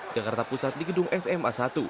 jakarta pusat di gedung sma satu